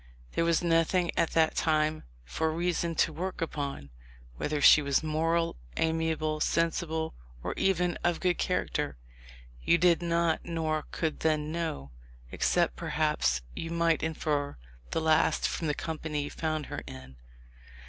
There was nothing at that time for reason to work upon. Whether she was moral, amiable, sensible, or even of good character, you did not nor could then know, except perhaps you might infer the last from the company you found her in.